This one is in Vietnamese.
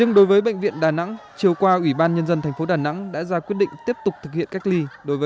người ở bệnh viện cũng đã có kế hoạch về phong lùng sàng lọc bệnh nhanh và áp dụng